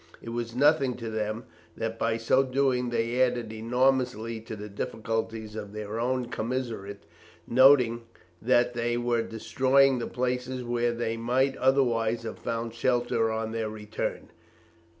It was nothing to them that by so doing they added enormously to the difficulties of their own commissariat; nothing that they were destroying the places where they might otherwise have found shelter on their return.